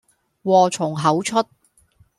禍從口出